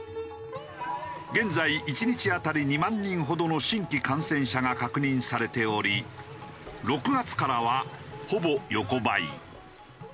現在１日当たり２万人ほどの新規感染者が確認されており６月からはほぼ横ばい。